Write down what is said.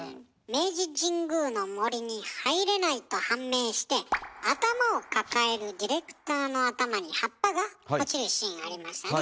明治神宮の森に入れないと判明して頭を抱えるディレクターの頭に葉っぱが落ちるシーンありましたね。